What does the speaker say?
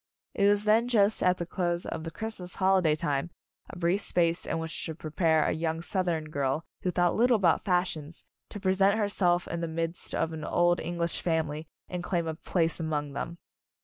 It was then just at the close of the Christ mas holiday time, a brief space in which to prepare a young Southern girl, who Anne's Wedding thought little about fashions, to present herself in the midst of an old English family and claim a place among them.